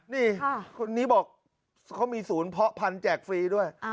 นี่คนนี้บอกเขามีศูนย์เพาะพันธุ์แจกฟรีด้วย